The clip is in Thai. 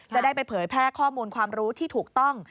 จะได้ไปเผยแพร่ข้อมูลความรู้ที่ถูกต้อง